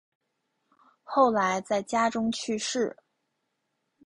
后来在家中去世。